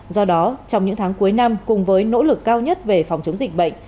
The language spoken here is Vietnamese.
do đó trong những tháng cuối năm cùng với nỗ lực cao nhất về phòng chống dịch bệnh